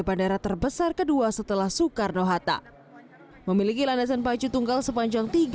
bandara terbesar kedua setelah soekarno hatta memiliki landasan pacu tunggal sepanjang